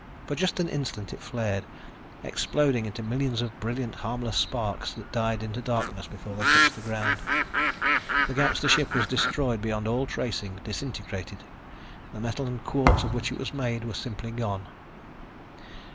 For just an instant it flared, exploding into millions of brilliant, harmless sparks that died into darkness before they touched the ground. The gangster ship was destroyed beyond all tracing, disintegrated. The metal and quartz of which it was made were simply gone.